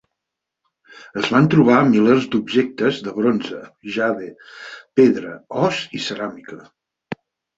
Es van trobar milers d'objectes de bronze, jade, pedra, os i ceràmica.